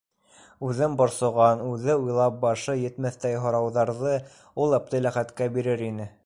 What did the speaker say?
Үҙен борсоған, үҙе уйлап башы етмәҫтәй һорауҙарҙы ул Әптеләхәткә бирер ине.